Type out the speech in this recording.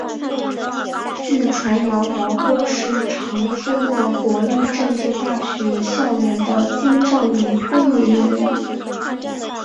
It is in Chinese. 据传摇摇哥是常出没国立政治大学校园的精障与风云人物。